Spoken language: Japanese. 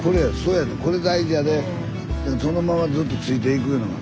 そのままずっとついていくいうのが。